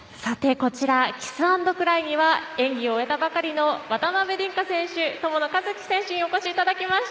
こちらキスアンドクライには演技を終えたばかりの渡辺倫果選手、友野一希選手にお越しいただきました。